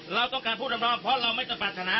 เราต้องการพูดรำรอบเพราะเราไม่จะปรัชนา